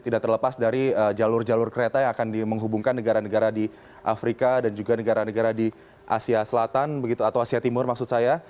tidak terlepas dari jalur jalur kereta yang akan menghubungkan negara negara di afrika dan juga negara negara di asia selatan begitu atau asia timur maksud saya